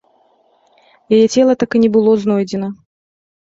Яе цела так і не было знойдзена.